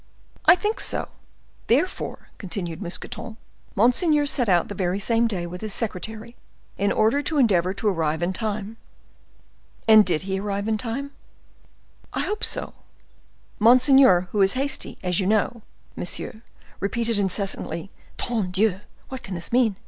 "I think so; therefore," continued Mousqueton, "monseigneur set out the very same day with his secretary, in order to endeavor to arrive in time." "And did he arrive in time?" "I hope so. Monseigneur, who is hasty, as you know, monsieur, repeated incessantly, 'Tonne Dieu! What can this mean?